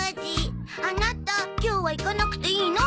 アナタ今日は行かなくていいの？